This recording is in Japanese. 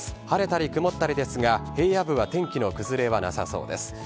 晴れたり曇ったりですが、平野部は天気の崩れはなさそうです。